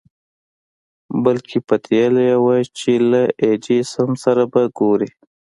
بلکې پتېيلې يې وه چې له ايډېسن سره به ګوري.